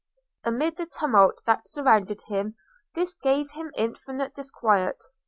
Amid the tumult that surrounded him, this gave him infinite disquiet.